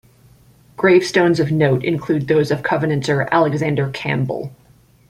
Gravestones of note include those of Covenanter Alexander Campbell.